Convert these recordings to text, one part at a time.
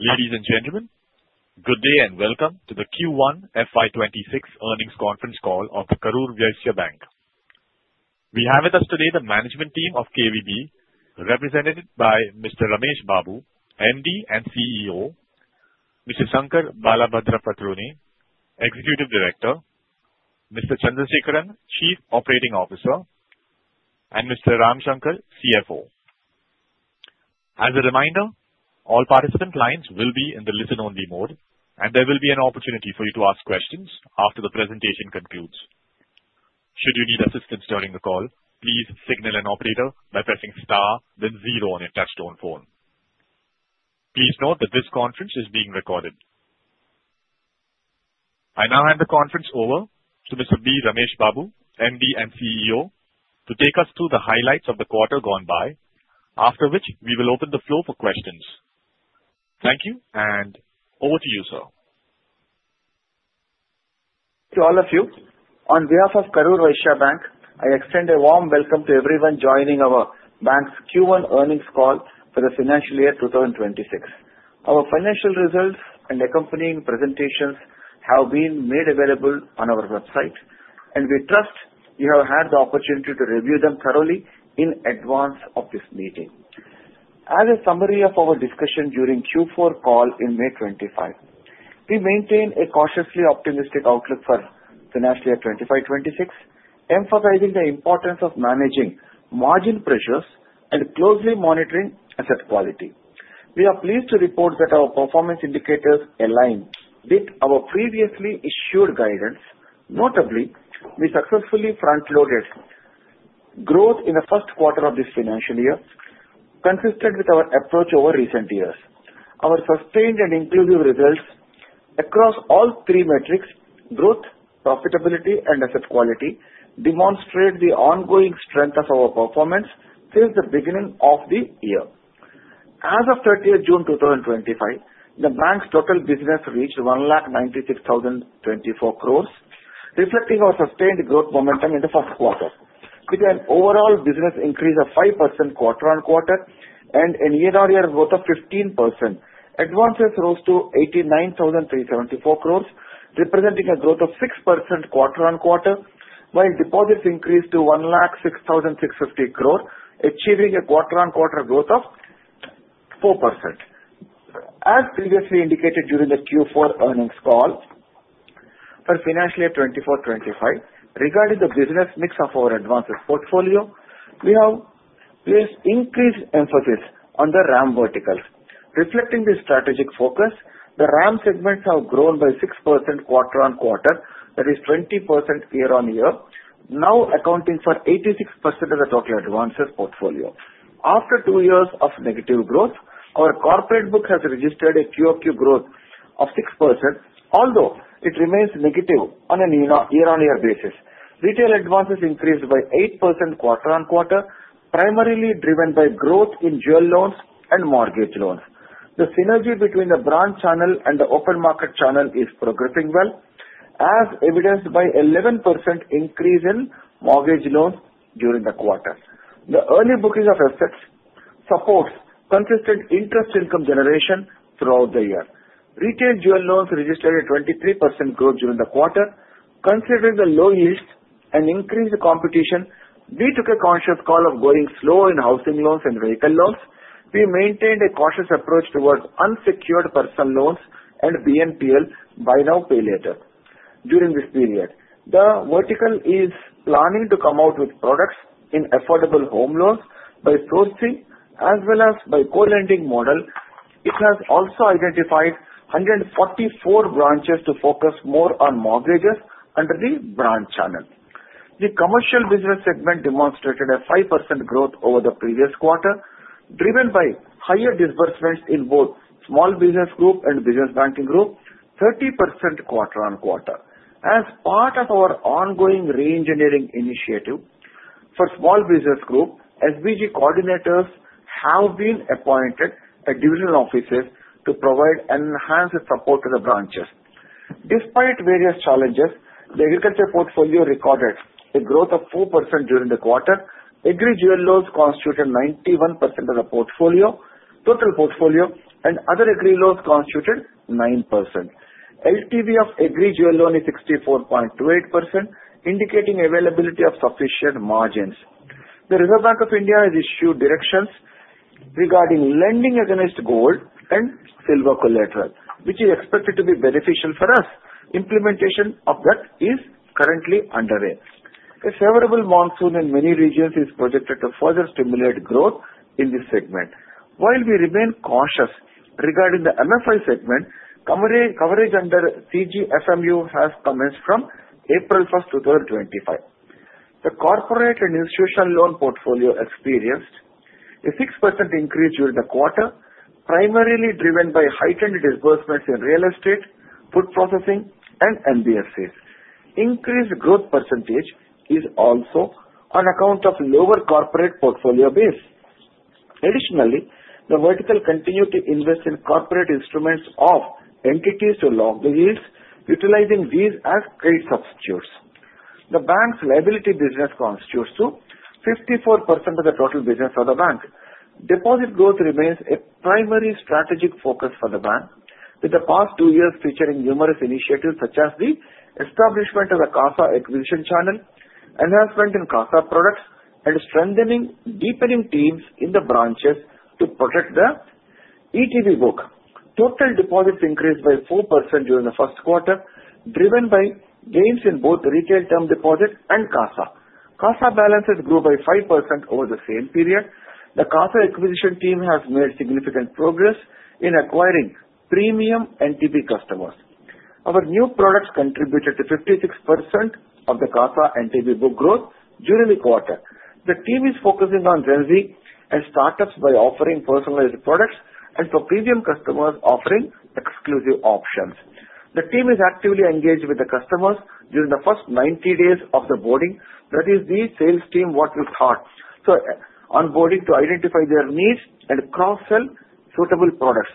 Ladies and gentlemen, good day and welcome to the Q1 FY26 earnings conference call of the Karur Vysya Bank. We have with us today the management team of KVB, represented by Mr. Ramesh Babu, MD and CEO, Mr. Sankar Balabhadrapatruni, Executive Director, Mr. Chandrasekaran, Chief Operating Officer, and Mr. Ramshankar, CFO. As a reminder, all participant lines will be in the listen-only mode, and there will be an opportunity for you to ask questions after the presentation concludes. Should you need assistance during the call, please signal an operator by pressing star, then zero on your touch-tone phone. Please note that this conference is being recorded. I now hand the conference over to Mr. B. Ramesh Babu, MD and CEO, to take us through the highlights of the quarter gone by, after which we will open the floor for questions. Thank you, and over to you, sir. To all of you, on behalf of Karur Vysya Bank, I extend a warm welcome to everyone joining our bank's Q1 earnings call for the financial year 2026. Our financial results and accompanying presentations have been made available on our website, and we trust you have had the opportunity to review them thoroughly in advance of this meeting. As a summary of our discussion during Q4 call in May 2025, we maintain a cautiously optimistic outlook for financial year 2025-2026, emphasizing the importance of managing margin pressures and closely monitoring asset quality. We are pleased to report that our performance indicators align with our previously issued guidance, notably, we successfully front-loaded growth in the first quarter of this financial year, consistent with our approach over recent years. Our sustained and inclusive results across all three metrics (growth, profitability, and asset quality) demonstrate the ongoing strength of our performance since the beginning of the year. As of 30 June 2025, the bank's total business reached 196,024 crores, reflecting our sustained growth momentum in the first quarter. With an overall business increase of 5% quarter-on-quarter and a year-on-year growth of 15%, advances rose to 89,374 crores, representing a growth of 6% quarter-on-quarter, while deposits increased to 106,650 crore, achieving a quarter-on-quarter growth of 4%. As previously indicated during the Q4 earnings call for financial year 2024-25, regarding the business mix of our advances portfolio, we have placed increased emphasis on the RAM vertical. Reflecting this strategic focus, the RAM segments have grown by 6% quarter-on-quarter, that is 20% year-on-year, now accounting for 86% of the total advances portfolio. After two years of negative growth, our corporate book has registered a QoQ growth of six%, although it remains negative on a year-on-year basis. Retail advances increased by eight% quarter-on-quarter, primarily driven by growth in jewel loans and mortgage loans. The synergy between the brand channel and the open market channel is progressing well, as evidenced by an 11% increase in mortgage loans during the quarter. The early booking of assets supports consistent interest income generation throughout the year. Retail jewel loans registered a 23% growth during the quarter. Considering the low LTV and increased competition, we took a conscious call of going slow in housing loans and vehicle loans. We maintained a cautious approach towards unsecured personal loans and BNPL, buy now, pay later. During this period, the vertical is planning to come out with products in affordable home loans by sourcing as well as by co-lending model. It has also identified 144 branches to focus more on mortgages under the brand channel. The commercial business segment demonstrated a 5% growth over the previous quarter, driven by higher disbursements in both Small Business Group and Business Banking Group, 30% quarter-on-quarter. As part of our ongoing re-engineering initiative for Small Business Group, SBG coordinators have been appointed at divisional offices to provide enhanced support to the branches. Despite various challenges, the agriculture portfolio recorded a growth of 4% during the quarter. Agri jewel loans constituted 91% of the portfolio. Total portfolio and other agri loans constituted 9%. LTV of agri jewel loan is 64.28%, indicating availability of sufficient margins. The Reserve Bank of India has issued directions regarding lending against gold and silver collateral, which is expected to be beneficial for us. Implementation of that is currently underway. A favorable monsoon in many regions is projected to further stimulate growth in this segment. While we remain cautious regarding the MFI segment, coverage under CGFMU has commenced from April 1, 2025. The corporate and institutional loan portfolio experienced a 6% increase during the quarter, primarily driven by heightened disbursements in real estate, food processing, and NBFCs. Increased growth percentage is also on account of lower corporate portfolio base. Additionally, the vertical continued to invest in corporate instruments of entities to long yields? Utilizing these as trade substitutes. The bank's liability business constitutes 54% of the total business for the bank. Deposit growth remains a primary strategic focus for the bank, with the past two years featuring numerous initiatives such as the establishment of a CASA acquisition channel, enhancement in CASA products, and strengthening deepening teams in the branches to protect the ETB book. Total deposits increased by 4% during the first quarter, driven by gains in both retail term deposit and CASA. CASA balances grew by 5% over the same period. The CASA acquisition team has made significant progress in acquiring premium NTB customers. Our new products contributed to 56% of the CASA NTB book growth during the quarter. The team is focusing on Gen Z and startups by offering personalized products and for premium customers offering exclusive options. The team is actively engaged with the customers during the first 90 days of the onboarding. That is, the sales team will start onboarding to identify their needs and cross-sell suitable products.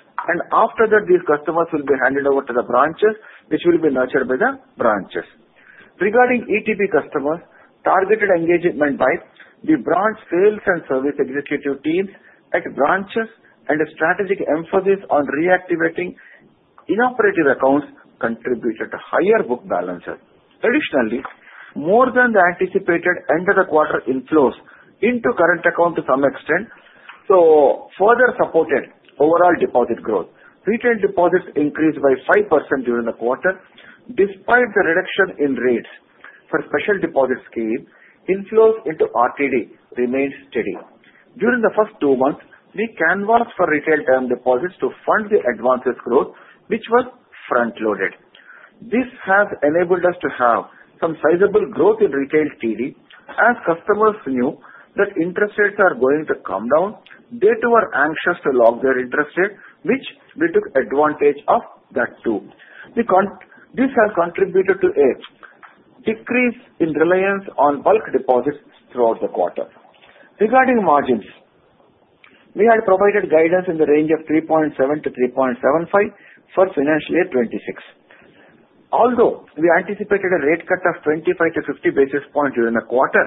After that, these customers will be handed over to the branches, which will be nurtured by the branches. Regarding ETB customers, targeted engagement by the branch sales and service executive teams at branches and a strategic emphasis on reactivating inoperative accounts contributed to higher book balances. Additionally, more than the anticipated end-of-quarter inflows into current account to some extent further supported overall deposit growth. Retail deposits increased by 5% during the quarter, despite the reduction in rates. For special deposits scheme, inflows into RTD remained steady. During the first two months, we canvassed for retail term deposits to fund the advanced growth, which was front-loaded. This has enabled us to have some sizable growth in retail TD, as customers knew that interest rates are going to come down. They too were anxious to lock their interest rate, which we took advantage of that too. This has contributed to a decrease in reliance on bulk deposits throughout the quarter. Regarding margins, we had provided guidance in the range of 3.7%-3.75% for financial year 2026. Although we anticipated a rate cut of 25 to 50 basis points during the quarter,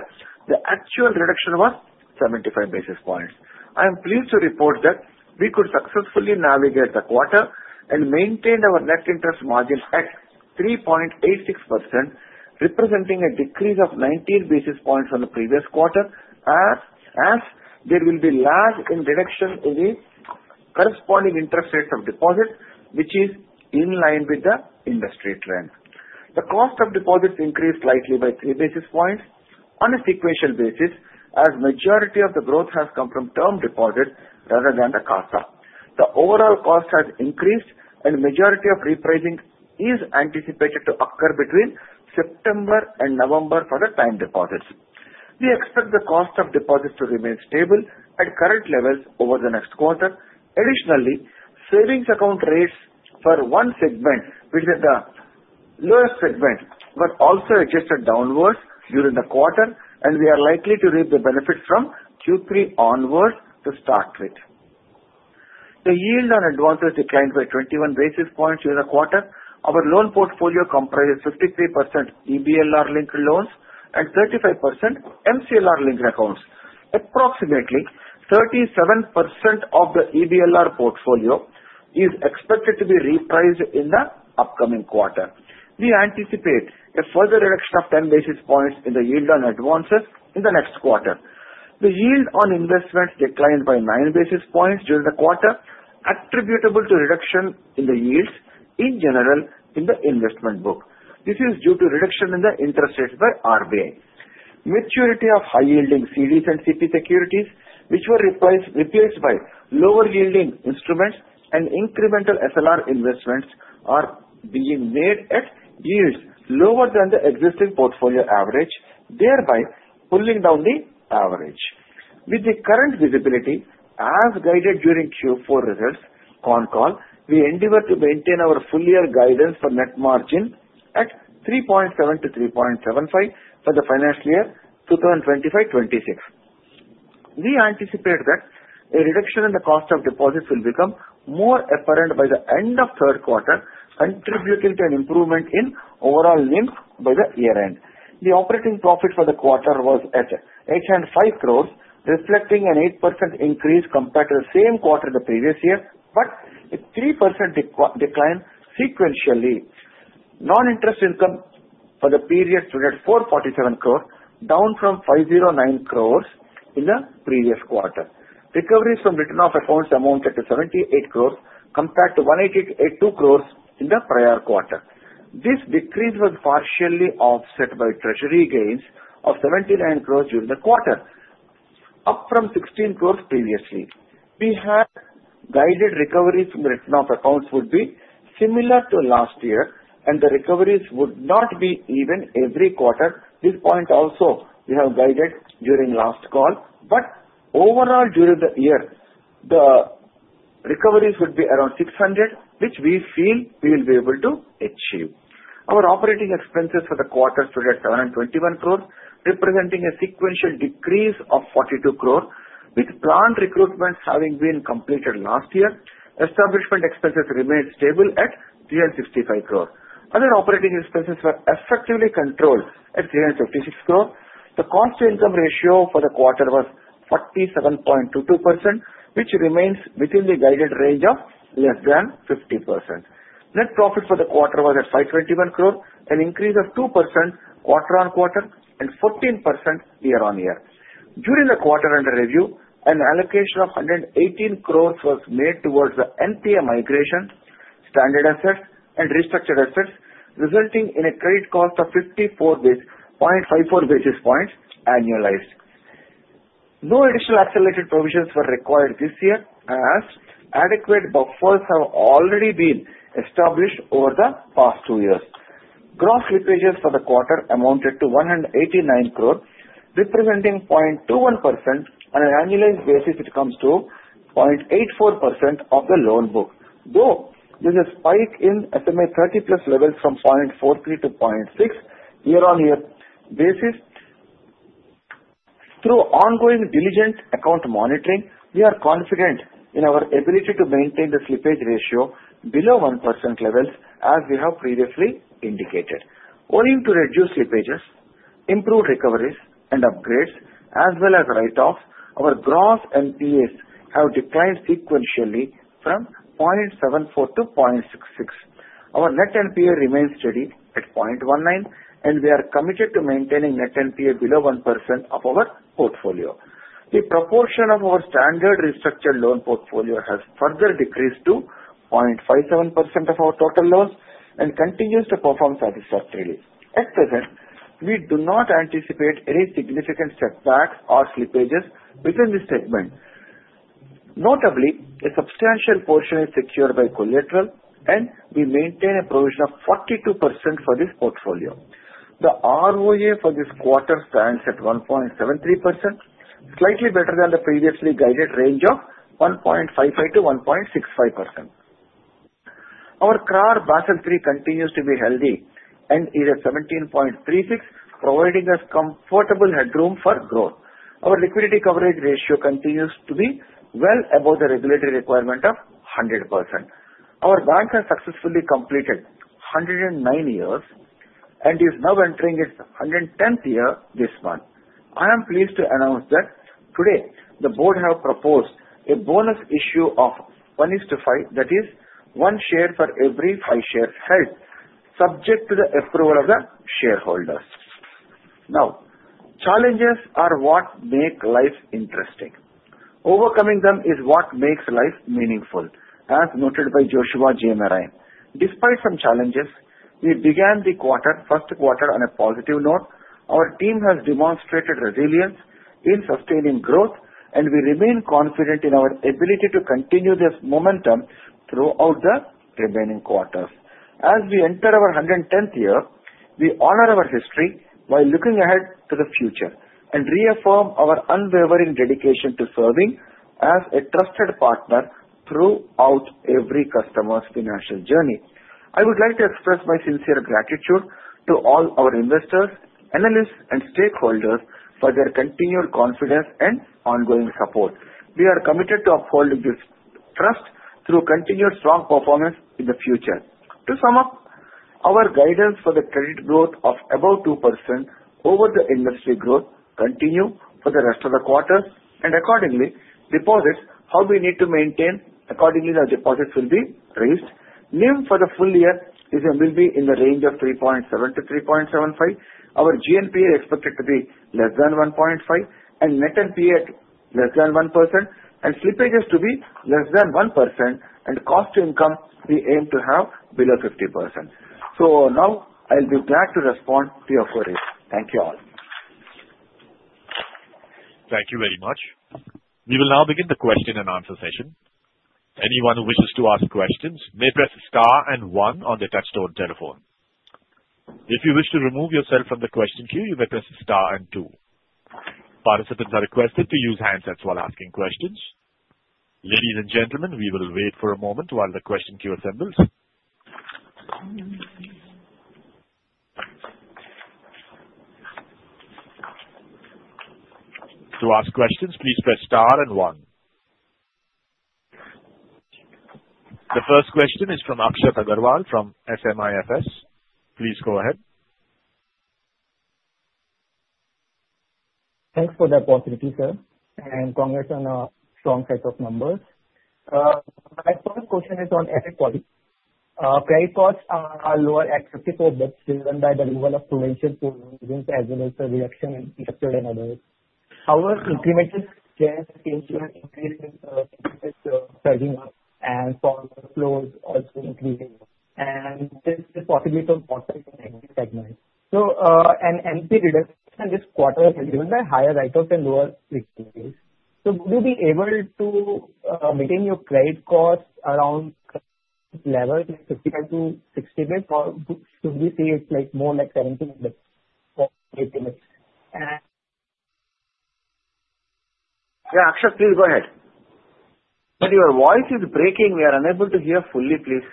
the actual reduction was 75 basis points. I am pleased to report that we could successfully navigate the quarter and maintained our net interest margin at 3.86%, representing a decrease of 19 basis points from the previous quarter, as there will be large indirection in the corresponding interest rates of deposits, which is in line with the industry trend. The cost of deposits increased slightly by 3 basis points on a sequential basis, as the majority of the growth has come from term deposits rather than the CASA. The overall cost has increased, and the majority of repricing is anticipated to occur between September and November for the time deposits. We expect the cost of deposits to remain stable at current levels over the next quarter. Additionally, savings account rates for one segment, which is the lowest segment, were also adjusted downwards during the quarter, and we are likely to reap the benefits from Q3 onwards to start with. The yield on advances declined by 21 basis points during the quarter. Our loan portfolio comprises 53% EBLR-linked loans and 35% MCLR-linked accounts. Approximately 37% of the EBLR portfolio is expected to be repriced in the upcoming quarter. We anticipate a further reduction of 10 basis points in the yield on advances in the next quarter. The yield on investments declined by 9 basis points during the quarter, attributable to reduction in the yields in general in the investment book. This is due to reduction in the interest rates by RBI. Maturity of high-yielding CDs and CP securities, which were repriced by lower-yielding instruments and incremental SLR investments, are being made at yields lower than the existing portfolio average, thereby pulling down the average. With the current visibility, as guided during Q4 results on-call, we endeavor to maintain our full-year guidance for net margin at 3.7-3.75 for the financial year 2025-26. We anticipate that a reduction in the cost of deposits will become more apparent by the end of third quarter, contributing to an improvement in overall NIM by the year-end. The operating profit for the quarter was at 805 crores, reflecting an 8% increase compared to the same quarter the previous year, but a 3% decline sequentially. Non-interest income for the period stood at 447 crores, down from 509 crores in the previous quarter. Recoveries from written-off accounts amounted to 78 crores, compared to 182 crores in the prior quarter. This decrease was partially offset by treasury gains of 79 crores during the quarter, up from 16 crores previously. We had guided recoveries from written-off accounts would be similar to last year, and the recoveries would not be even every quarter. This point also we have guided during last call, but overall, during the year, the recoveries would be around 600, which we feel we will be able to achieve. Our operating expenses for the quarter stood at 721 crores, representing a sequential decrease of 42 crores, with grand recruitments having been completed last year. Establishment expenses remained stable at 365 crores. Other operating expenses were effectively controlled at 356 crores. The cost-to-income ratio for the quarter was 47.22%, which remains within the guided range of less than 50%. Net profit for the quarter was at 521 crores, an increase of 2% quarter-on-quarter and 14% year-on-year. During the quarter-end review, an allocation of 118 crores was made towards the NPA migration, standard assets, and restructured assets, resulting in a credit cost of 54 basis points annualized. No additional accelerated provisions were required this year, as adequate buffers have already been established over the past two years. Gross slippages for the quarter amounted to 189 crores, representing 0.21%, and on an annualized basis, it comes to 0.84% of the loan book. Though there's a spike in SMA 30 plus levels from 0.43 to 0.6 year-on-year basis, through ongoing diligent account monitoring, we are confident in our ability to maintain the slippage ratio below 1% levels, as we have previously indicated. Aiming to reduce slippages, improve recoveries, and upgrades, as well as write-offs, our gross NPAs have declined sequentially from 0.74%-0.66%. Our net NPA remains steady at 0.19%, and we are committed to maintaining net NPA below 1% of our portfolio. The proportion of our standard restructured loan portfolio has further decreased to 0.57% of our total loans and continues to perform satisfactorily. At present, we do not anticipate any significant setbacks or slippages within this segment. Notably, a substantial portion is secured by collateral, and we maintain a provision of 42% for this portfolio. The ROA for this quarter stands at 1.73%, slightly better than the previously guided range of 1.55%-1.65%. Our CRAR Basel III continues to be healthy and is at 17.36, providing us comfortable headroom for growth. Our liquidity coverage ratio continues to be well above the regulatory requirement of 100%. Our bank has successfully completed 109 years and is now entering its 110th year this month. I am pleased to announce that today, the board has proposed a bonus issue of 1:5, that is, one share for every five shares held, subject to the approval of the shareholders. Now, challenges are what make life interesting. Overcoming them is what makes life meaningful, as noted by Joshua J. Marine. Despite some challenges, we began the first quarter on a positive note. Our team has demonstrated resilience in sustaining growth, and we remain confident in our ability to continue this momentum throughout the remaining quarters. As we enter our 110th year, we honor our history while looking ahead to the future and reaffirm our unwavering dedication to serving as a trusted partner throughout every customer's financial journey. I would like to express my sincere gratitude to all our investors, analysts, and stakeholders for their continued confidence and ongoing support. We are committed to upholding this trust through continued strong performance in the future. To sum up, our guidance for the credit growth of above 2% over the industry growth continues for the rest of the quarter, and accordingly, deposits, how we need to maintain, accordingly, the deposits will be raised. NIM for the full year will be in the range of 3.7-3.75. Our GNPA is expected to be less than 1.5, and net NPA at less than 1%, and slippages to be less than 1%, and cost-to-income we aim to have below 50%. So now, I'll be glad to respond to your queries. Thank you all. Thank you very much. We will now begin the question and answer session. Anyone who wishes to ask questions may press the star and one on the touch-tone telephone. If you wish to remove yourself from the question queue, you may press the star and two. Participants are requested to use handsets while asking questions. Ladies and gentlemen, we will wait for a moment while the question queue assembles. To ask questions, please press star and one. The first question is from Akshaya Shinde from SMIFS. Please go ahead. Thanks for the opportunity, sir, and congrats on a strong set of numbers. My first question is on equity. Credit costs are lower at 54 basis points driven by the role of financial tools, as well as the reduction in sector and others. However, incremental change seems to be increasing the serving up, and forward flows also increasing, and this is possibly from the segment, so an NPA reduction this quarter has been given by higher write-offs and lower slippage, so would you be able to maintain your credit cost around level 55-60 basis points, or should we say it's more like 70 basis points or 80 basis points, and. Yeah, Akshaya, please go ahead. But your voice is breaking. We are unable to hear fully, please.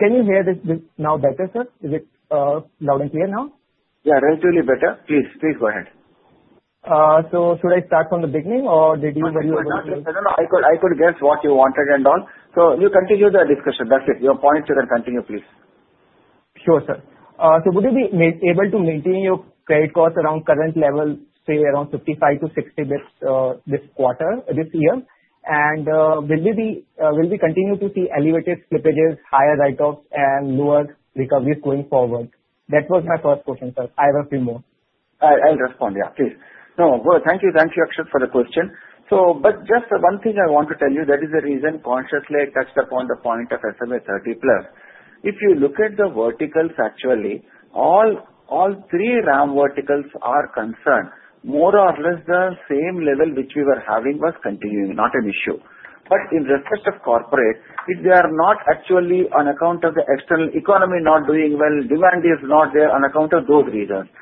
Can you hear this now better, sir? Is it loud and clear now? Yeah, relatively better. Please, please go ahead. So should I start from the beginning, or did you? No, no, no. I could guess what you wanted and all. So you continue the discussion. That's it. Your points, you can continue, please. Sure, sir. So would you be able to maintain your credit costs around current level, say, around 55-60 basis points this quarter, this year? And will we continue to see elevated slippages, higher write-offs, and lower recoveries going forward? That was my first question, sir. I have a few more. I'll respond, yeah, please. No, thank you. Thank you, Akshaya, for the question. But just one thing I want to tell you, that is the reason consciously I touched upon the point of SMA 30 plus. If you look at the verticals, actually, all three RAM verticals are concerned. More or less, the same level which we were having was continuing, not an issue. But in the rest of corporate, if they are not actually on account of the external economy not doing well, demand is not there on account of those reasons.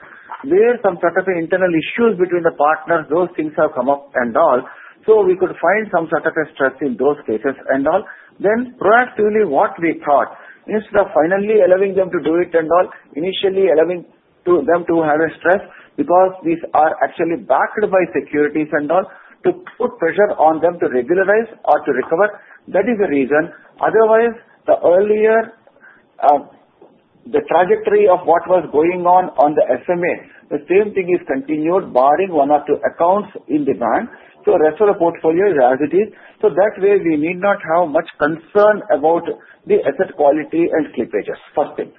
There's some sort of an internal issue between the partners. Those things have come up and all. So we could find some sort of a stress in those cases and all. Then, proactively, what we thought, instead of finally allowing them to do it and all, initially allowing them to have a stress because these are actually backed by securities and all, to put pressure on them to regularize or to recover. That is the reason. Otherwise, the earlier the trajectory of what was going on on the SMA, the same thing is continued, barring one or two accounts in demand. So the rest of the portfolio is as it is. So that way, we need not have much concern about the asset quality and slippages, first thing,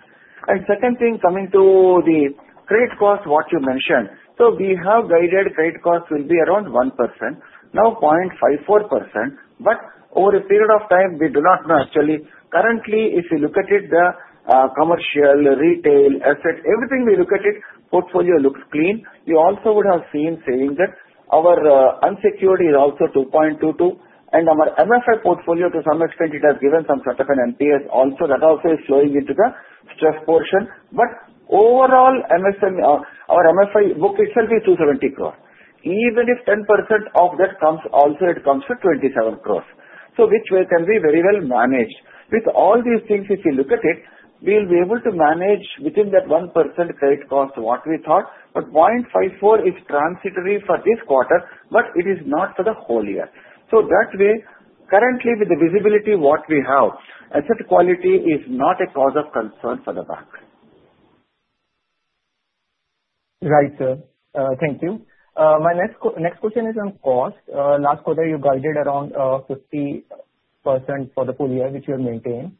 and second thing, coming to the credit cost, what you mentioned. So we have guided credit costs will be around 1%, now 0.54%. But over a period of time, we do not know, actually. Currently, if you look at it, the commercial, retail, asset, everything we look at, portfolio looks clean. You also would have seen, saying that our unsecured is also 2.22%. Our MFI portfolio, to some extent, has given some sort of an NPA also. That also is flowing into the stress portion. Overall, our MFI book itself is 270 crores. Even if 10% of that comes, it also comes to 27 crores. Which we can very well manage. With all these things, if you look at it, we'll be able to manage within that 1% credit cost what we thought. 0.54 is transitory for this quarter, but it is not for the whole year. Currently, with the visibility what we have, asset quality is not a cause of concern for the bank. Right, sir. Thank you. My next question is on cost. Last quarter, you guided around 50% for the full year, which you have maintained.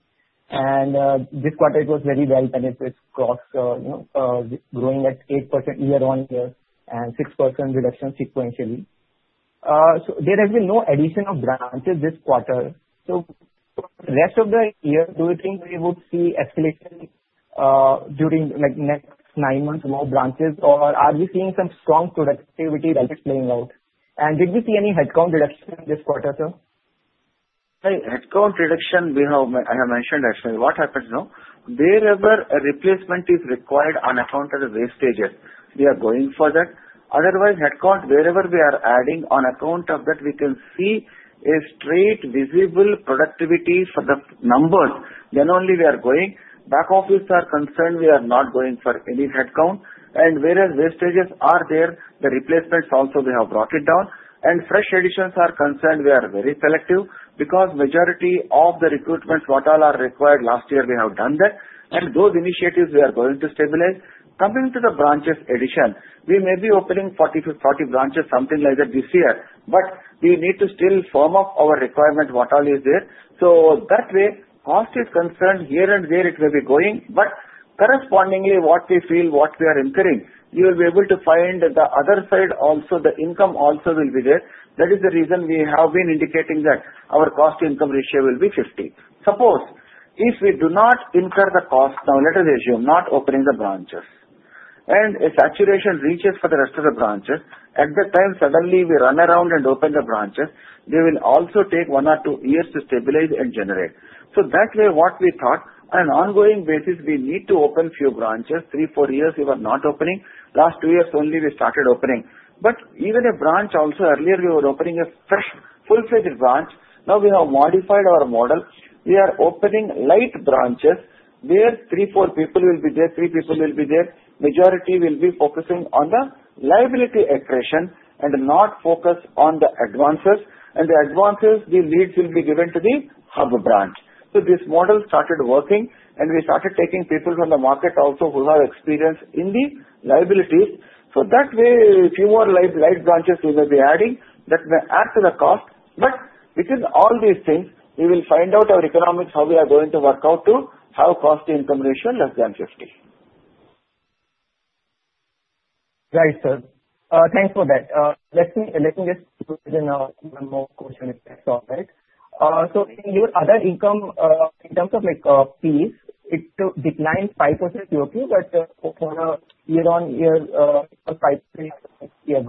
This quarter, it was very well benefits cost growing at 8% year-on-year and 6% reduction sequentially. There has been no addition of branches this quarter. For the rest of the year, do you think we would see escalation during the next nine months, more branches, or are we seeing some strong productivity that is playing out? Did we see any headcount reduction this quarter, sir? Headcount reduction, I have mentioned actually what happens now. Wherever a replacement is required on account of the wastages, we are going for that. Otherwise, headcount, wherever we are adding on account of that, we can see a straight visible productivity for the numbers. Then only we are going. Back office are concerned we are not going for any headcount. Whereas wastages are there, the replacements also we have brought it down. Fresh additions are concerned. We are very selective because majority of the recruitments what all are required last year, we have done that. Those initiatives we are going to stabilize. Coming to the branches addition, we may be opening 40 branches, something like that this year. We need to still form up our requirement what all is there. That way, cost is concerned here and there it will be going. But correspondingly, what we feel, what we are incurring, you will be able to find the other side also, the income also will be there. That is the reason we have been indicating that our Cost-to-Income Ratio will be 50%. Suppose if we do not incur the cost now, let us assume not opening the branches. And a saturation reaches for the rest of the branches. At that time, suddenly we run around and open the branches. They will also take one or two years to stabilize and generate. So that way, what we thought on an ongoing basis, we need to open few branches, three, four years we were not opening. Last two years only we started opening. But even a branch also, earlier we were opening a fresh full-fledged branch. Now we have modified our model. We are opening light branches where three, four people will be there, three people will be there. Majority will be focusing on the liability accretion and not focus on the advances. And the advances, the leads will be given to the hub branch. So this model started working, and we started taking people from the market also who have experience in the liabilities. So that way, fewer light branches we will be adding. That will add to the cost. But within all these things, we will find out our economics how we are going to work out to have cost-to-income ratio less than 50. Right, sir. Thanks for that. Let me just put in one more question if that's all right. So in your other income, in terms of fees, it declined 5% year to year, but for a year-on-year 5% year-on-year.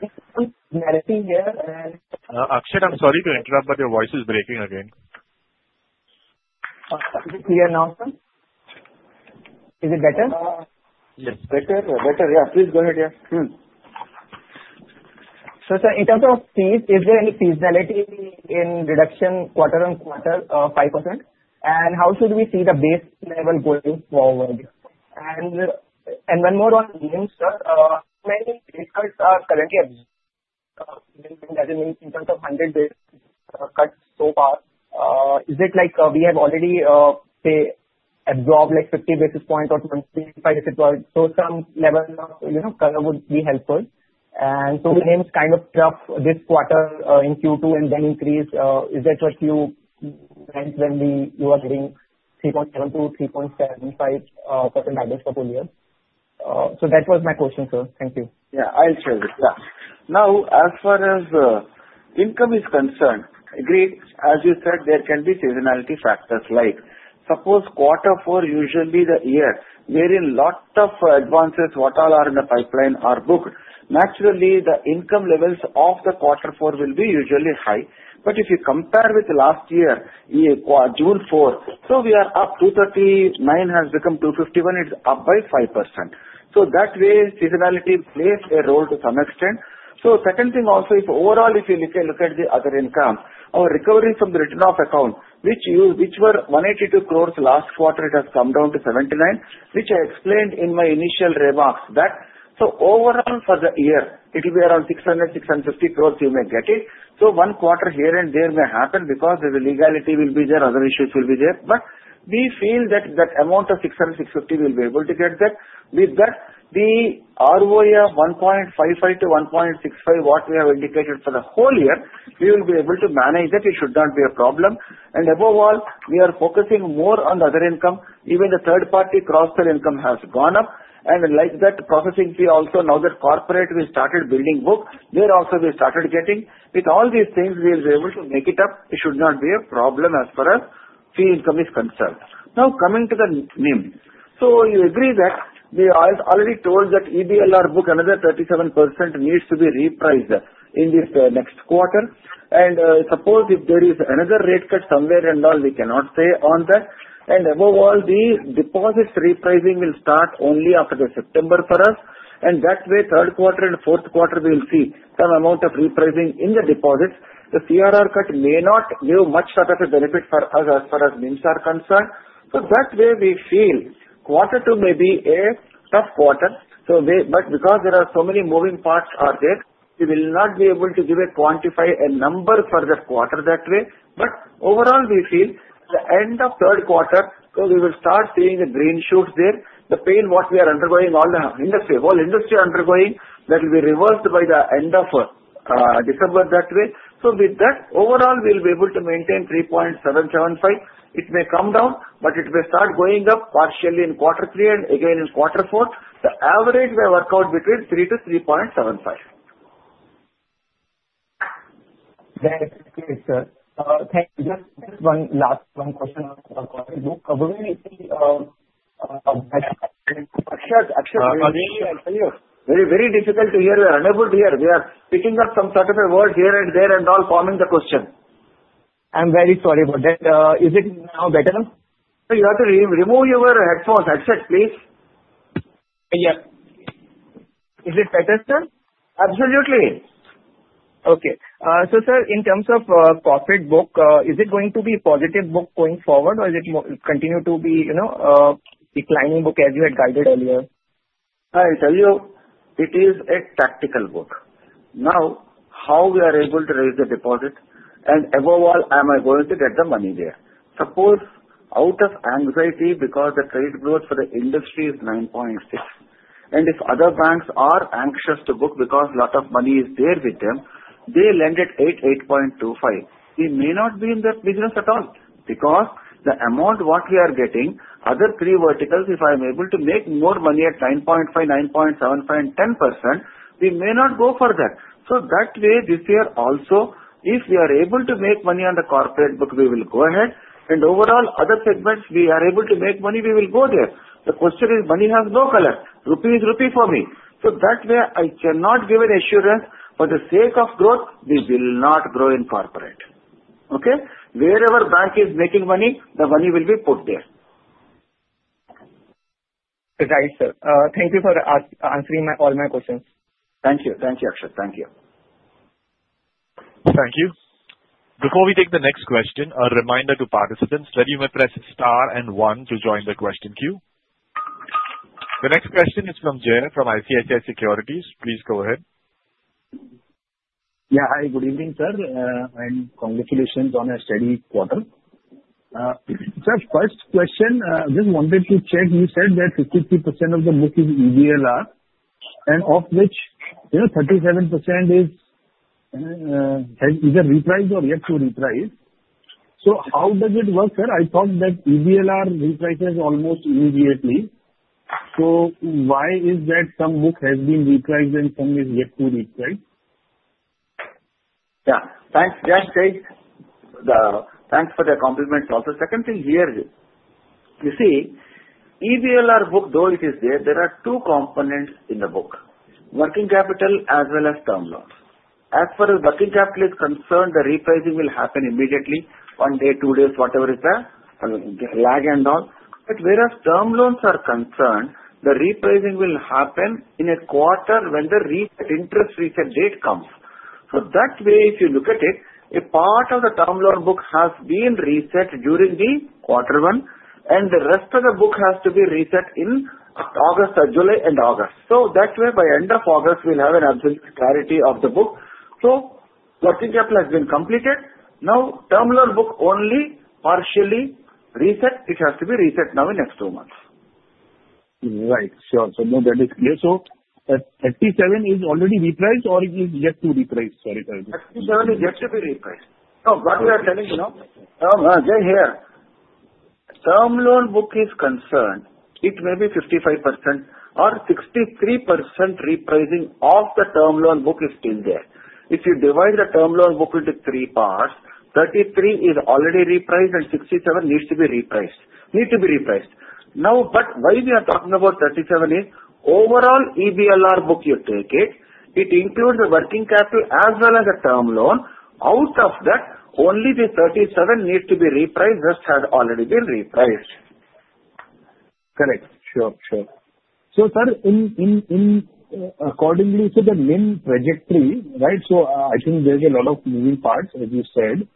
This one's narrating here, and. Akshaya, I'm sorry to interrupt, but your voice is breaking again. Is it clear now, sir? Is it better? Yes. Better, better. Yeah, please go ahead. Yeah. So, sir, in terms of fees, is there any seasonality in reduction quarter-on-quarter 5%? And how should we see the base level going forward? And one more on NIM, sir. How much credit cost is currently absorbing? Does it mean in terms of 100 bps cuts so far? Is it like we have already, say, absorbed like 50 basis points or 25 if it was? So some level of color would be helpful. And so the NIM is kind of tough this quarter in Q2 and then increase. Is that what you meant when you were giving 3.72%-3.75% average for full year? So that was my question, sir. Thank you. Yeah, I'll share with you. Now, as far as income is concerned, agreed. As you said, there can be seasonality factors like, suppose quarter four usually the year wherein a lot of advances what all are in the pipeline are booked. Naturally, the income levels of the quarter four will be usually high. But if you compare with last year, Q4, so we are up 239 has become 251. It's up by 5%. So that way, seasonality plays a role to some extent. So second thing also, overall, if you look at the other income, our recovery from the written-off accounts, which were 182 crores last quarter, it has come down to 79 crores, which I explained in my initial remarks that. So overall, for the year, it will be around 600-650 crores you may get it. One quarter here and there may happen because the legality will be there, other issues will be there. But we feel that that amount of 600, 650 we'll be able to get that. With that, the ROE of 1.55 to 1.65, what we have indicated for the whole year, we will be able to manage that. It should not be a problem. And above all, we are focusing more on the other income. Even the third-party cross-sell income has gone up. And like that, processing fee also, now that corporate we started building book, there also we started getting. With all these things, we will be able to make it up. It should not be a problem as far as fee income is concerned. Now, coming to the NIM. You agree that we already told that EBLR book, another 37% needs to be repriced in this next quarter. Suppose if there is another rate cut somewhere and all, we cannot say on that. Above all, the deposits repricing will start only after the September for us. That way, third quarter and fourth quarter, we will see some amount of repricing in the deposits. The CRR cut may not give much sort of a benefit for us as far as NIMs are concerned. That way, we feel quarter two may be a tough quarter. Because there are so many moving parts out there, we will not be able to give a quantify a number for the quarter that way. Overall, we feel the end of third quarter, so we will start seeing the green shoots there. The pain what we are undergoing, all the industry, whole industry undergoing, that will be reversed by the end of December that way. With that, overall, we'll be able to maintain 3.775. It may come down, but it may start going up partially in quarter three and again in quarter four. The average may work out between 3 to 3.75. That's okay, sir. Thank you. Just one last question about the quarter book. Will we see better? Akshaya, very, very difficult to hear. We are unable to hear. We are picking up some sort of a word here and there and all forming the question. I'm very sorry about that. Is it now better? So you have to remove your headphones. Akshaya, please. Yes. Is it better, sir? Absolutely. Okay. So, sir, in terms of corporate book, is it going to be a positive book going forward, or is it continue to be declining book as you had guided earlier? I'll tell you, it is a tactical book. Now, how are we able to raise the deposit and, above all, am I going to get the money there? Suppose out of anxiety, because the trade growth for the industry is 9.6 and if other banks are anxious to book because a lot of money is there with them, they lend at 8, 8.25. We may not be in that business at all because the amount what we are getting, other three verticals, if I'm able to make more money at 9.5, 9.75, and 10%, we may not go for that, so that way this year also, if we are able to make money on the corporate book, we will go ahead, and overall other segments we are able to make money, we will go there. The question is money has no color. Rupee is rupee for me. So that way, I cannot give an assurance for the sake of growth. We will not grow in corporate. Okay? Wherever bank is making money, the money will be put there. Right, sir. Thank you for answering all my questions. Thank you. Thank you, Akshaya. Thank you. Thank you. Before we take the next question, a reminder to participants, ready when press star and one to join the question queue. The next question is from Jai from ICICI Securities. Please go ahead. Yeah, hi. Good evening, sir. And congratulations on a steady quarter. Sir, first question, just wanted to check. You said that 53% of the book is EBLR, and of which 37% has either repriced or yet to reprice. So how does it work, sir? I thought that EBLR reprices almost immediately. So why is that some book has been repriced and some is yet to reprice? Yeah. Thanks. Yeah, Jai, thanks for the compliment also. Second thing here, you see, EBLR book, though it is there, there are two components in the book: working capital as well as term loans. As far as working capital is concerned, the repricing will happen immediately one day, two days, whatever is the lag and all. But whereas term loans are concerned, the repricing will happen in a quarter when the interest reset date comes. So that way, if you look at it, a part of the term loan book has been reset during the quarter one, and the rest of the book has to be reset in August, July, and August. So that way, by end of August, we'll have an absolute clarity of the book. So working capital has been completed. Now, term loan book only partially reset. It has to be reset now in next two months. Right. Sure. So that is clear. So 37 is already repriced or it is yet to reprice? Sorry, sir. 37 is yet to be repriced. No, what we are telling you now, Jai, here, term loan book is concerned, it may be 55% or 63% repricing of the term loan book is still there. If you divide the term loan book into three parts, 33 is already repriced and 67 needs to be repriced. Need to be repriced. Now, but why we are talking about 37 is overall EBLR book you take it, it includes the working capital as well as the term loan. Out of that, only the 37 needs to be repriced that had already been repriced. Correct. Sure, sure. So sir, according to the NIM trajectory, right, so I think there's a lot of moving parts, as you said.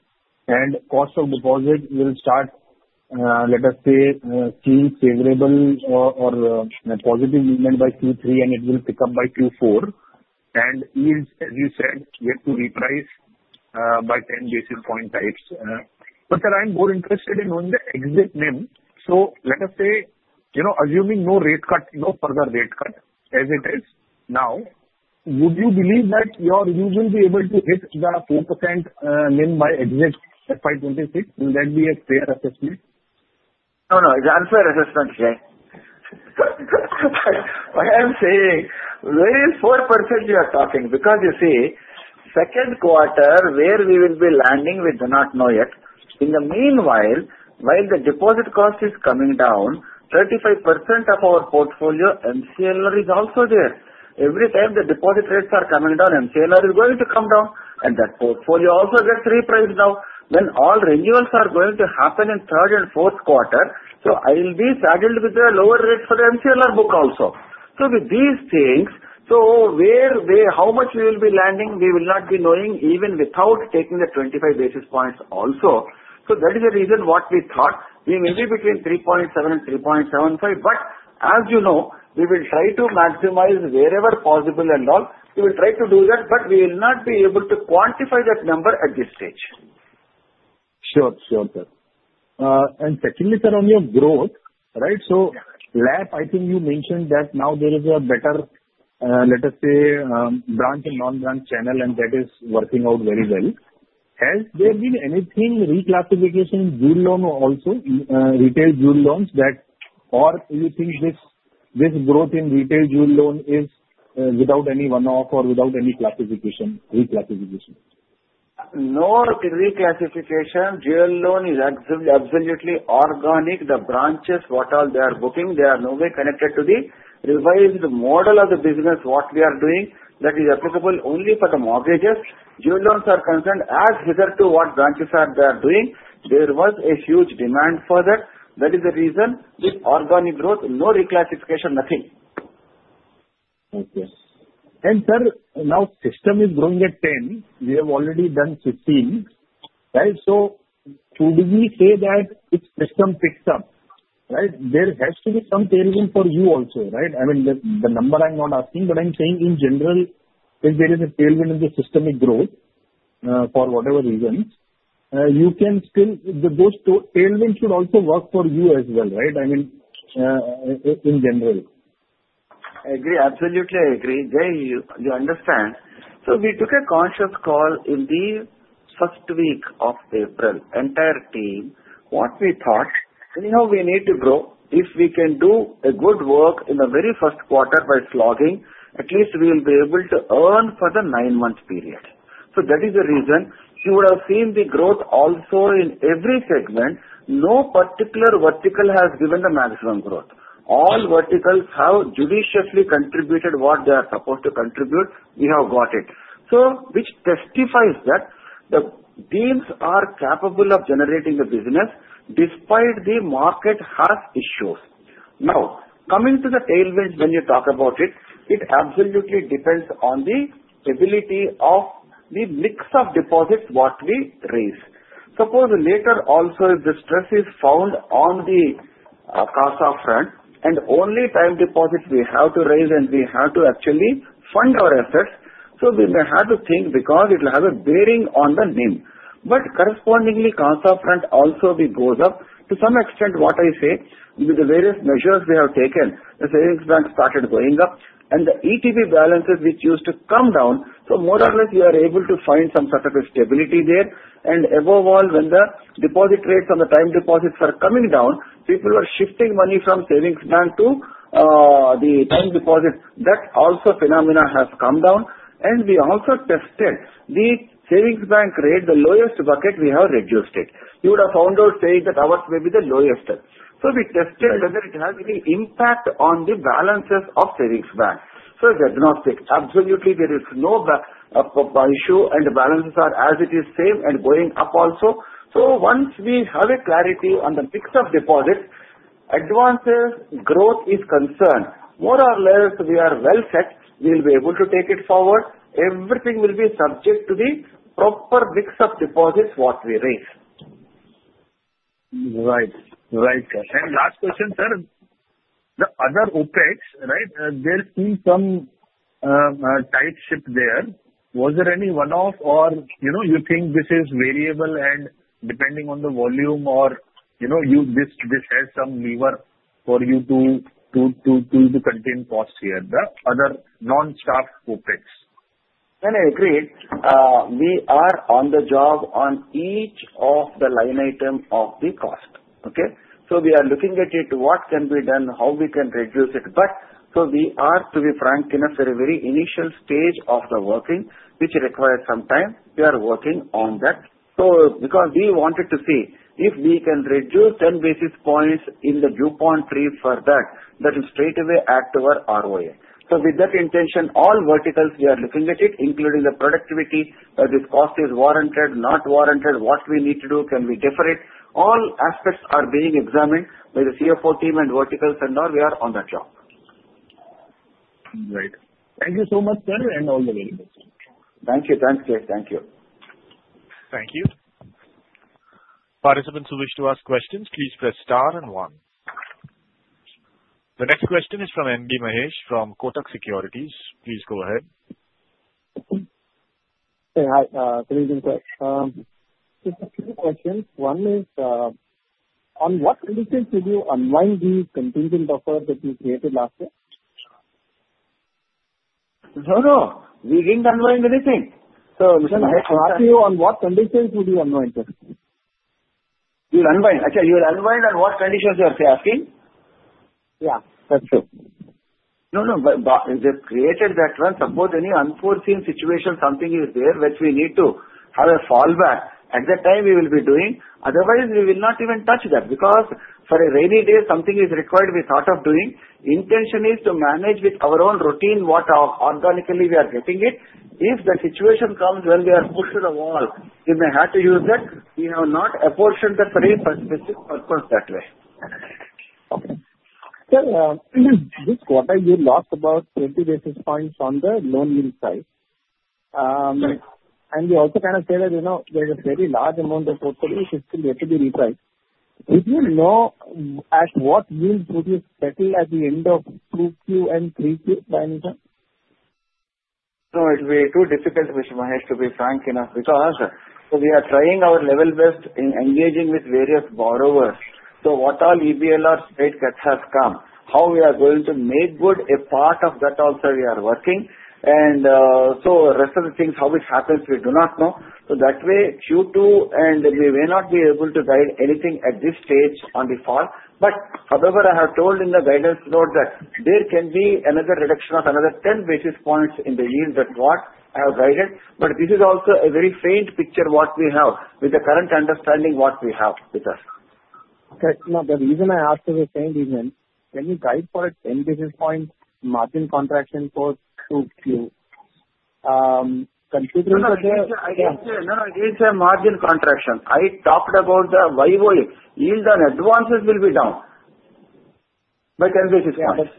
And cost of deposit will start, let us say, seeing favorable or positive movement by Q3, and it will pick up by Q4. And yields, as you said, yet to reprice by 10 basis points. But sir, I'm more interested in knowing the exit NIM. So let us say, assuming no rate cut, no further rate cut as it is now, would you believe that you will be able to hit the 4% NIM by exit FY26? Will that be a fair assessment? No, no. It's unfair assessment, Jai. What I'm saying, where is 4% you are talking? Because you see, second quarter where we will be landing, we do not know yet. In the meanwhile, while the deposit cost is coming down, 35% of our portfolio MCLR is also there. Every time the deposit rates are coming down, MCLR is going to come down. And that portfolio also gets repriced now. Then all renewals are going to happen in third and fourth quarter. So I will be saddled with a lower rate for the MCLR book also. So with these things, so how much we will be landing, we will not be knowing even without taking the 25 basis points also. So that is the reason what we thought we may be between 3.7% and 3.75%. But as you know, we will try to maximize wherever possible and all. We will try to do that, but we will not be able to quantify that number at this stage. Sure, sure, sir. And secondly, sir, on your growth, right, so LAP, I think you mentioned that now there is a better, let us say, branch and non-branch channel, and that is working out very well. Has there been any reclassification in jewel loan also, retail jewel loans that, or you think this growth in retail jewel loan is without any one-off or without any classification, reclassification? No reclassification. Jewel Loan is absolutely organic. The branches, what all they are booking, they are no way connected to the revised model of the business what we are doing. That is applicable only for the mortgages. Jewel loans are concerned as with regard to what branches they are doing. There was a huge demand for that. That is the reason with organic growth, no reclassification, nothing. Okay. And sir, now systemic is growing at 10. We have already done 15. Right? So should we say that it's systemic fixed up? Right? There has to be some tailwind for you also, right? I mean, the number I'm not asking, but I'm saying in general, if there is a tailwind in the systemic growth for whatever reasons, you can still those tailwinds should also work for you as well, right? I mean, in general. I agree. Absolutely, I agree. Jai, you understand. So we took a conscious call in the first week of April, entire team, what we thought, you know, we need to grow. If we can do a good work in the very first quarter by slogging, at least we will be able to earn for the nine-month period. So that is the reason you would have seen the growth also in every segment. No particular vertical has given the maximum growth. All verticals have judiciously contributed what they are supposed to contribute. We have got it. So which testifies that the teams are capable of generating the business despite the market has issues. Now, coming to the tailwinds, when you talk about it, it absolutely depends on the ability of the mix of deposits what we raise. Suppose later also, if the stress is found on the CASA front and only time deposits we have to raise and we have to actually fund our assets, so we may have to think because it will have a bearing on the NIM, but correspondingly, CASA front also goes up to some extent what I say with the various measures we have taken. The savings bank started going up and the ETB balances which used to come down, so more or less, we are able to find some sort of a stability there. Above all, when the deposit rates on the time deposits are coming down, people were shifting money from savings bank to the time deposit. That also phenomena has come down. We also tested the savings bank rate, the lowest bucket we have reduced it. You would have found out saying that ours may be the lowest. So we tested whether it has any impact on the balances of savings bank. So it does not take absolutely; there is no issue and the balances are as it is same and going up also. So once we have a clarity on the mix of deposits, advances, growth is concerned. More or less, we are well set. We will be able to take it forward. Everything will be subject to the proper mix of deposits what we raise. Right, right, sir. And last question, sir. The other OpEx, right, there's been some tight shift there. Was there any one-off or you think this is variable and depending on the volume or this has some lever for you to contain cost here? The other non-staff OpEx. And I agree. We are on the job on each of the line item of the cost. Okay? So we are looking at it, what can be done, how we can reduce it. But so we are, to be frank, in a very, very initial stage of the working, which requires some time. We are working on that. So because we wanted to see if we can reduce 10 basis points in the cost-to-income for that, that will straightaway impact our ROA. So with that intention, all verticals we are looking at it, including the productivity, whether this cost is warranted, not warranted, what we need to do, can we defer it. All aspects are being examined by the CFO team and verticals and all. We are on that job. Great. Thank you so much, sir, and all the very best. Thank you. Thanks, Jai. Thank you. Thank you. Participants who wish to ask questions, please press star and one. The next question is from M.B. Mahesh from Kotak Securities. Please go ahead. Hey, hi. Can you repeat the question? Just a few questions. One is, on what conditions would you unwind the contingent offer that you created last year? No, no. We didn't unwind anything. So, Mr. Mahesh, ask you on what conditions would you unwind it? You'll unwind. Actually, you'll unwind on what conditions you're asking? Yeah, that's true. No, no. If they've created that one, suppose any unforeseen situation, something is there which we need to have a fallback. At that time, we will be doing. Otherwise, we will not even touch that because for a rainy day, something is required we thought of doing. Intention is to manage with our own routine what organically we are getting it. If the situation comes when we are pushed to the wall, we may have to use that. We have not apportioned that for a specific purpose that way. Okay. Sir, this quarter, you lost about 20 basis points on the loan yield side. And you also kind of said that there's a very large amount of portfolio which is still yet to be repriced. Would you know at what yield would you settle at the end of Q2 and Q3 by any chance? No, it will be too difficult, Mr. Mahesh, to be frank enough because we are trying our level best in engaging with various borrowers. So what all EBLR's rate cuts have come, how we are going to make good a part of that also, we are working. And so the rest of the things, how it happens, we do not know. So that way, Q2, and we may not be able to guide anything at this stage on the fall. But however, I have told in the guidance note that there can be another reduction of another 10 basis points in the yield that what I have guided. But this is also a very faint picture what we have with the current understanding what we have with us. Okay. Now, the reason I asked is the same reason. Can you guide for a 10 basis point margin contraction for Q2? Considering that there. No, no, no. I didn't say margin contraction. I talked about the YoY. Yield and advances will be down by 10 basis points.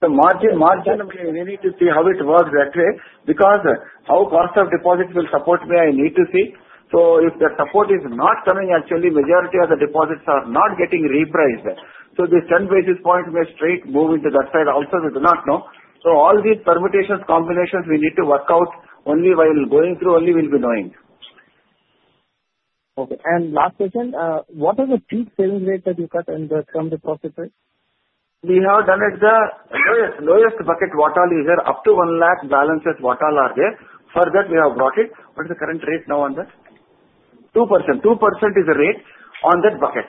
The margin, we need to see how it works that way because how cost of deposits will support me, I need to see. So if the support is not coming, actually, majority of the deposits are not getting repriced. So this 10 basis point may straight move into that side also. We do not know. So all these permutations, combinations, we need to work out only while going through, only we'll be knowing. Okay, and last question, what are the peak savings rates that you cut and the term deposit rate? We have done it the lowest bucket what all is there, up to one lakh balances what all are there. For that, we have brought it. What is the current rate now on that? 2%. 2% is the rate on that bucket.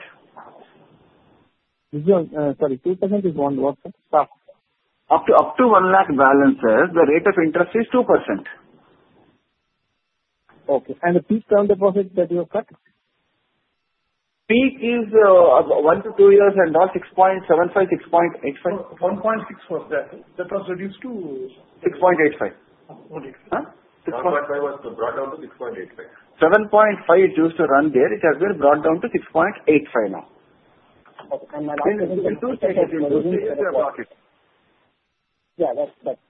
Sorry, 2% is what? Up to 1 lakh balances, the rate of interest is 2%. Okay. And the peak term deposit that you have cut? Peak is one to two years and all, 6.75, 6.85. 1.65. That was reduced to. 6.85. Huh? 6.5 was brought down to 6.85. 7.5 used to run there. It has been brought down to 6.85 now. Okay, and my last question. We have brought it. Yeah, that's correct.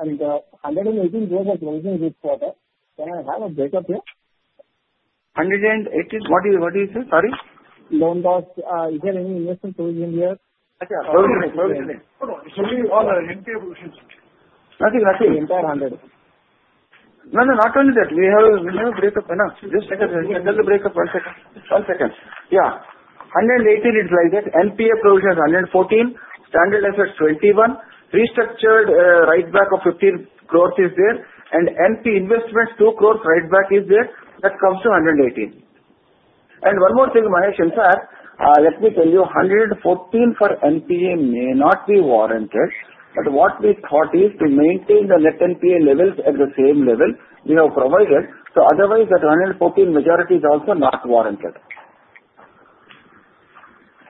And the 118, those are closing this quarter. Can I have a breakup here? 118? What do you say? Sorry? Loan cost, is there any investment provision here? Actually, no. Nothing. Nothing. Nothing? Nothing. The entire 100. No, no. Not only that. We have a breakup. Just a second. We can tell the breakup. One second. One second. Yeah. 118 is like that. NPA provision is 114. Standard assets 21. Restructured write-back of 15 crores is there. And NPA write-back, 2 crores is there. That comes to 118. And one more thing, Mahesh. In fact, let me tell you, 114 for NPA may not be warranted. But what we thought is to maintain the net NPA levels at the same level we have provided. So otherwise, that 114 majority is also not warranted.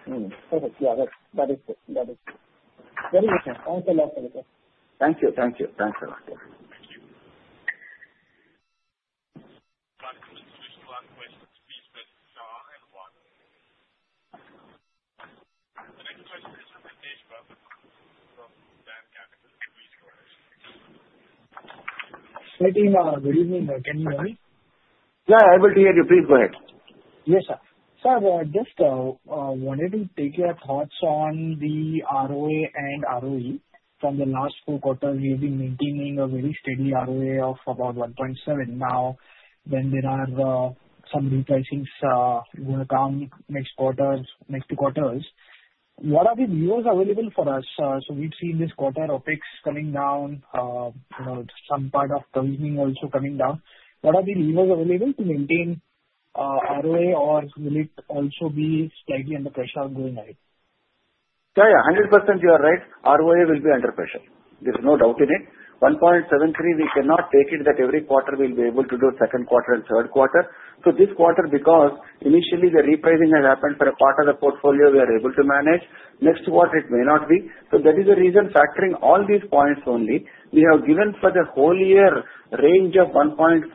Perfect. Yeah, that is good. That is good. Very good, sir. Thanks a lot, sir. Thank you. Thank you. Thanks a lot. The next question is from Ritesh Bhatt from DAM Capital Advisors. Good evening. Can you hear me? Yeah, I'm able to hear you. Please go ahead. Yes, sir. Sir, just wanted to take your thoughts on the ROA and ROE. From the last four quarters, we've been maintaining a very steady ROA of about 1.7% now. Then there are some repricing going to come next quarter, next two quarters. What are the levers available for us? So we've seen this quarter OpEx coming down, some part of closing also coming down. What are the levers available to maintain ROA, or will it also be slightly under pressure going ahead? Yeah, yeah. 100%, you are right. ROA will be under pressure. There is no doubt in it. 1.73. We cannot take it that every quarter we'll be able to do second quarter and third quarter. So this quarter, because initially the repricing has happened for a part of the portfolio, we are able to manage. Next quarter, it may not be. So that is the reason factoring all these points only. We have given for the whole year range of 1.55-1.65.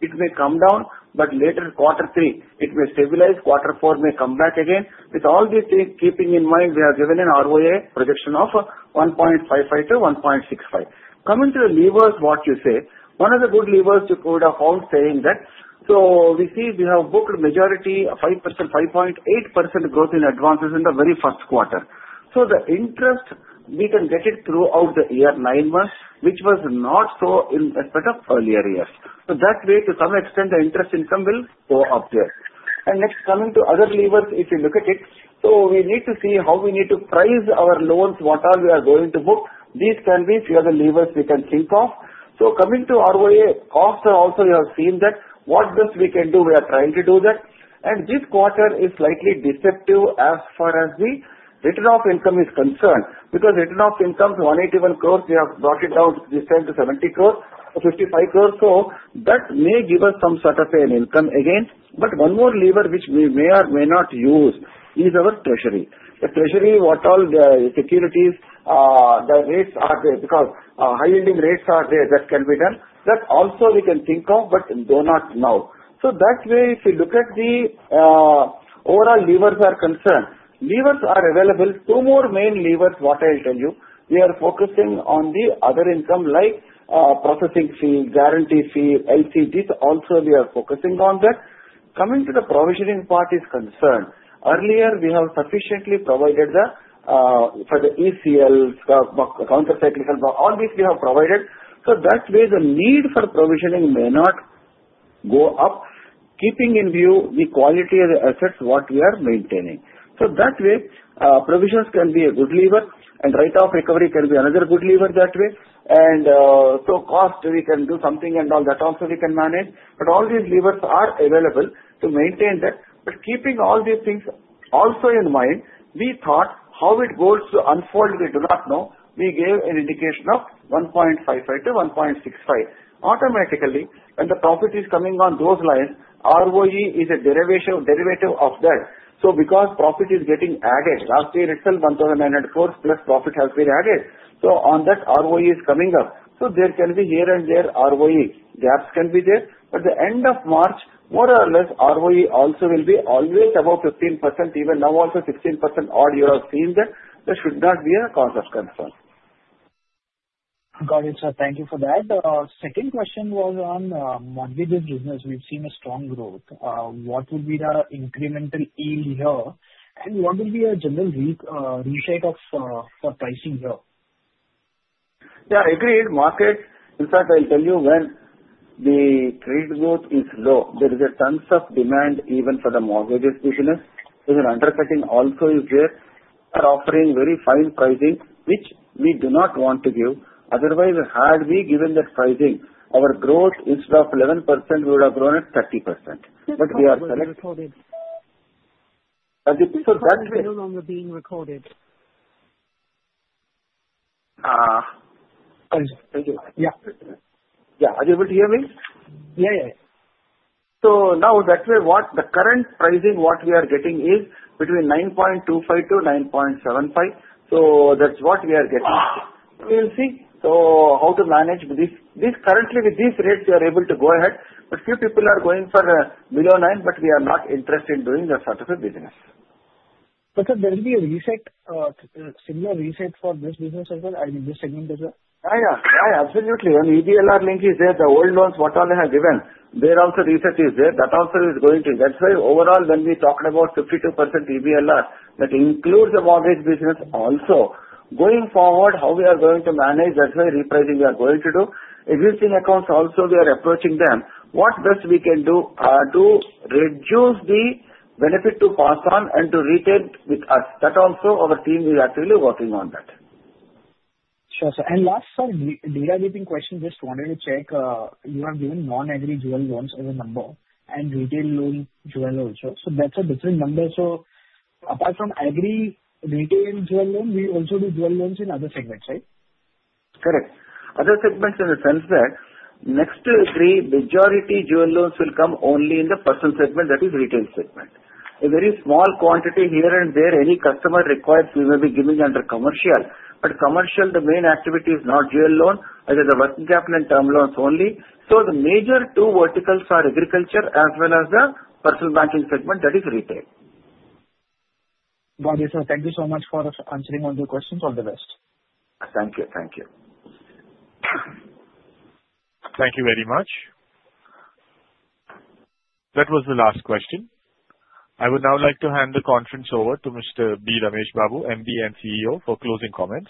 It may come down, but later quarter three, it may stabilize. Quarter four may come back again. With all these things keeping in mind, we have given an ROA projection of 1.55-1.65. Coming to the levers, what you say, one of the good levers you could have found saying that. We see we have booked majority 5%-5.8% growth in advances in the very first quarter. The interest we can get it throughout the year nine months, which was not so in a set of earlier years. That way, to some extent, the interest income will go up there. Next, coming to other levers, if you look at it, we need to see how we need to price our loans, what we are going to book. These can be a few other levers we can think of. Coming to ROA, costs are also we have seen that. What best we can do, we are trying to do that. This quarter is slightly deceptive as far as the cost to income is concerned because cost to income is 181 crores. We have brought it down this time to 70 crores, 55 crores. So that may give us some sort of an income again. But one more lever which we may or may not use is our treasury. The treasury, what all the securities, the rates are there because high yielding rates are there that can be done. That also we can think of, but not now. So that way, if you look at the overall levers are concerned, levers are available. Two more main levers, what I'll tell you. We are focusing on the other income like processing fee, guarantee fee, LTV. Also, we are focusing on that. Coming to the provisioning part is concerned. Earlier, we have sufficiently provided for the ECL, countercyclical, all these we have provided. So that way, the need for provisioning may not go up, keeping in view the quality of the assets what we are maintaining. So that way, provisions can be a good lever. And right of recovery can be another good lever that way. And so cost, we can do something and all that also we can manage. But all these levers are available to maintain that. But keeping all these things also in mind, we thought how it goes to unfold, we do not know. We gave an indication of 1.55-1.65. Automatically, when the profit is coming on those lines, ROE is a derivative of that. So because profit is getting added, last year itself 1,900 crores plus profit has been added. So on that, ROE is coming up. So there can be here and there ROE gaps can be there. But the end of March, more or less, ROE also will be always about 15%, even now also 16% odd. You have seen that. There should not be a cause of concern. Got it, sir. Thank you for that. Second question was on mortgages business. We've seen a strong growth. What would be the incremental yield here? And what would be a general reset of pricing here? Yeah, I agree. The market, in fact, I'll tell you when the trade growth is low, there is a ton of demand even for the mortgages business. There's an undercutting also. They are offering very fine pricing, which we do not want to give. Otherwise, had we given that pricing, our growth instead of 11%, we would have grown at 30%. But we are selective. That's no longer being recorded. Thank you. Yeah. Yeah. Are you able to hear me? Yeah, yeah. So now, that way, what the current pricing, what we are getting is between 9.25% to 9.75%. So that's what we are getting. We'll see how to manage with this. Currently, with these rates, we are able to go ahead. But few people are going for below 9%, but we are not interested in doing that sort of a business. But sir, there will be a reset, similar reset for this business as well? I mean, this segment as well? Yeah, yeah. Yeah, absolutely, and EBLR link is there. The old loans what all I have given, their also reset is there. That also is going to. That's why overall, when we talked about 52% EBLR, that includes the mortgage business also. Going forward, how we are going to manage, that's why repricing we are going to do. Existing accounts also, we are approaching them. What best we can do to reduce the benefit to pass on and to retain with us. That also, our team, we are actually working on that. Sure, sir. And last, sir, derivative question, just wanted to check. You have given non-agri gold loans as a number and retail gold loans also. So that's a different number. So apart from agri retail gold loan, we also do gold loans in other segments, right? Correct. Other segments in the sense that next to agri, majority jewel loans will come only in the personal segment, that is retail segment. A very small quantity here and there, any customer requires, we may be giving under commercial. But commercial, the main activity is not jewel loan. It is the working capital and term loans only. So the major two verticals are agriculture as well as the personal banking segment, that is retail. Got it, sir. Thank you so much for answering all the questions. All the best. Thank you. Thank you. Thank you very much. That was the last question. I would now like to hand the conference over to Mr. B. Ramesh Babu, MD and CEO, for closing comments.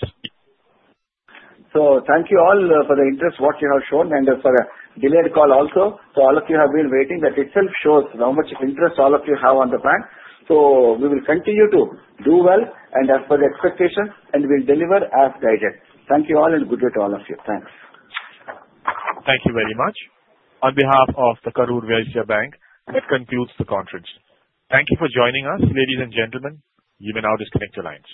Thank you all for the interest that you have shown and for the delayed call also. So all of you have been waiting. That itself shows how much interest all of you have in the bank. So we will continue to do well and as per the expectations, and we'll deliver as guided. Thank you all and good day to all of you. Thanks. Thank you very much. On behalf of the Karur Vysya Bank, it concludes the conference. Thank you for joining us, ladies and gentlemen. You may now disconnect your lines.